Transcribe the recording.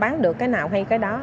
bán được cái nào hay cái đó